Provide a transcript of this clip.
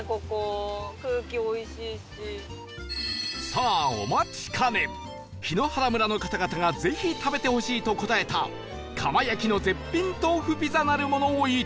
さあお待ちかね檜原村の方々がぜひ食べてほしいと答えた窯焼きの絶品豆腐ピザなるものをいただこう